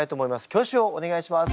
挙手をお願いします。